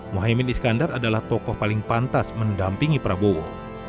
mohaimin iskandar adalah tokoh paling pantas mendampingi prabowo